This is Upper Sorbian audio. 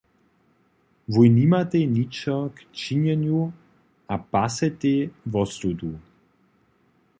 Wój nimatej ničo k činjenju a pasetej wostudu.